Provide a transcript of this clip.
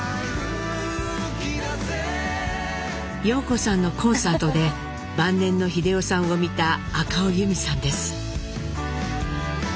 陽子さんのコンサートで晩年の英夫さんを見た赤尾由美さんです。